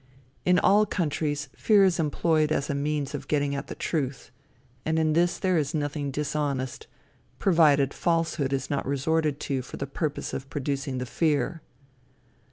In all countries fear is employed as a means of getting at the truth, and in this there is nothing dishonest, provided falsehood is not resorted to for the purpose of producing the fear.